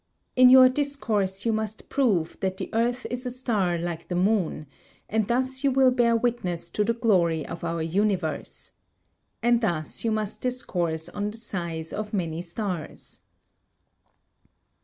In your discourse you must prove that the earth is a star like the moon, and thus you will bear witness to the glory of our universe! And thus you must discourse on the size of many stars.